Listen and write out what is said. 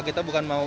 kita bukan mau